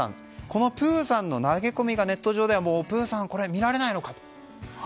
このプーさんの投げ込みがネット上ではもう見られないのかと。